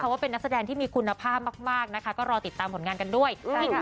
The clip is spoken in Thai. ว่าเป็นนักแสดงที่มีคุณภาพมากนะคะก็รอติดตามผลงานกันด้วย